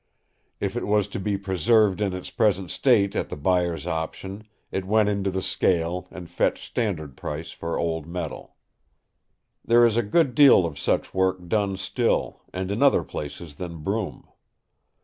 If it was to be preserved in its present state at the buyer's option, it went into the scale and fetched standard price for old metal. "There is a good deal of such work done still, and in other places than Brum.